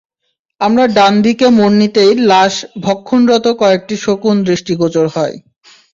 আমরা ডান দিকে মোড় নিতেই লাশ ভক্ষণরত কয়েকটি শকুন দৃষ্টিগোচর হয়।